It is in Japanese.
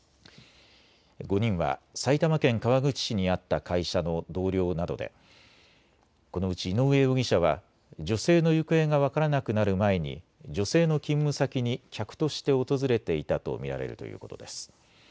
５人は埼玉県川口市にあった会社の同僚などでこのうち井上容疑者は女性の行方が分からなくなる前に女性の勤務先に客として訪れていたと見られるということです。